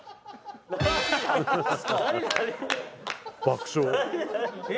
爆笑。